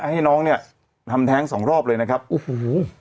ให้น้องเนี่ยทำแท้งสองรอบเลยนะครับโอ้โห